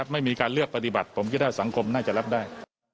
ไม่มีการเลือกปฏิบัติผมคิดว่าสังคมน่าจะรับได้